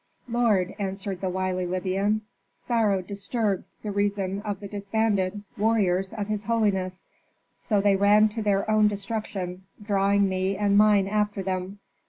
"Lord," answered the wily Libyan, "sorrow disturbed the reason of the disbanded warriors of his holiness, so they ran to their own destruction, drawing me and mine after them.